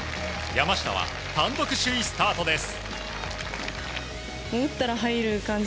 山下は単独首位スタートです。